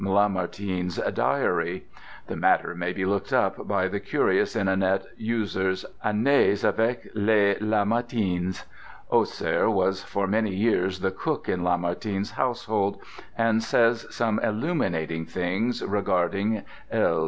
Lamartine's diary. (The matter may be looked up by the curious in Annette User's "Années avec les Lamartines." Oser was for many years the cook in Lamartine's household, and says some illuminating things regarding L.'